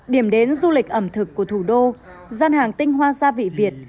điểm đến du lịch ẩm thực của thủ đô gian hàng tinh hoa gia vị việt